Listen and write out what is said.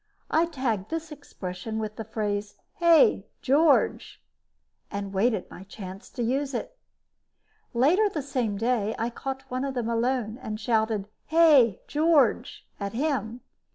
I tagged this expression with the phrase, "Hey, George!" and waited my chance to use it. Later the same day, I caught one of them alone and shouted "Hey, George!" at him.